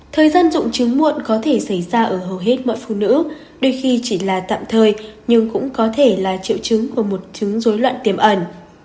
thời gian dụng chứng muộn có thể xảy ra ở hầu hết mọi phụ nữ đôi khi chỉ là tạm thời nhưng cũng có thể là triệu chứng của một chứng dối loạn tiềm ẩn